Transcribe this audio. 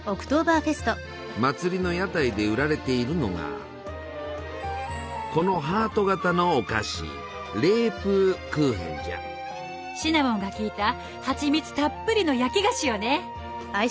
祭りの屋台で売られているのがこのハート形のお菓子シナモンが効いたハチミツたっぷりの焼き菓子よね。